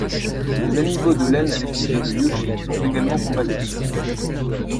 Les amiibo de laine à l'effigie de Yoshi sont également compatibles.